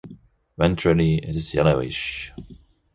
Ventrally it is yellowish.